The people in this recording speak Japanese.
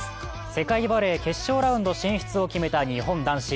世界バレー、決勝ラウンド進出を決めた日本男子。